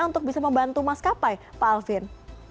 untuk bisa membantu maskapai pak alvin